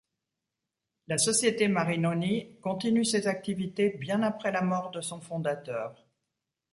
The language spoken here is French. La société Marinoni continue ses activités bien après la mort de son fondateur.